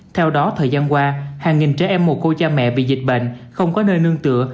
theo đó thời gian qua hàng nghìn trẻ em mồ côi cha mẹ bị dịch bệnh không có nơi nương tựa